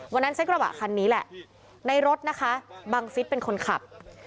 วันนั้นใช้กระบะคันนี้แหละในรถนะคะบังฟิศเป็นคนขับ